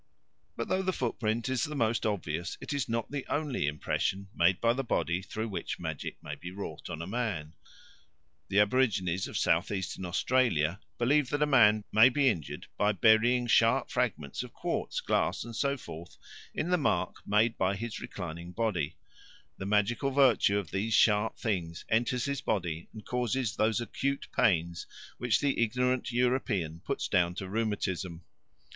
But though the footprint is the most obvious it is not the only impression made by the body through which magic may be wrought on a man. The aborigines of South eastern Australia believe that a man may be injured by burying sharp fragments of quartz, glass, and so forth in the mark made by his reclining body; the magical virtue of these sharp things enters his body and causes those acute pains which the ignorant European puts down to rheumatism.